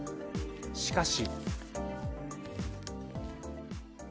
しかし。